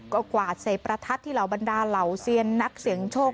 ก็กวาดเศษประทัดที่เหล่าบรรดาเหล่าเซียนนักเสียงโชค